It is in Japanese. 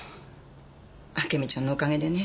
あけみちゃんのおかげでね。